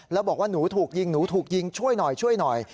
แล้วบอกว่าหนูถูกยิงหนูถูกยิงช่วยหน่อยช่วยหน่อย